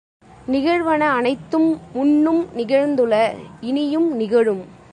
நிகழ்வன அனைத்தும் முன்னும் நிகழ்ந்துள, இனியும் நிகழும்.